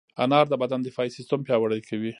انار د بدن دفاعي سیستم پیاوړی کوي.